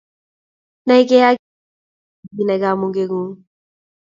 Nai keiaki ak kinai kamuget ngung